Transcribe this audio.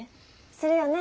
するよね？